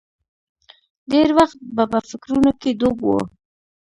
ډېر وخت به په فکرونو کې ډوب و.